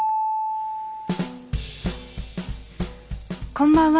こんばんは。